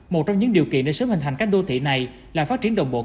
một trong những điều kiện để sớm hình thành các đô thị này là phát triển đồng bộ